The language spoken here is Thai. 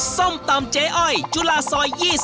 ส้มตำเจ๊อ้อยจุฬาซอย๒๐